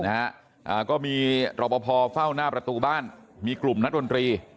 นะคะก็มีรอบพฟหน้าประตูบ้านมีกลุ่มนักดนตรี